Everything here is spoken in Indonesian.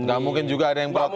nggak mungkin juga ada yang protes